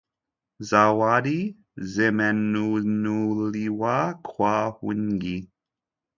zawadi zimenunuliwa kwa wingi